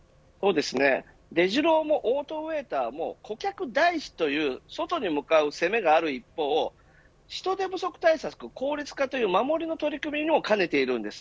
デジローもオートウェーターも顧客第一という外に向かう攻めがある一方人手不足対策や効率化という守りの取り組みにも兼ねているんです。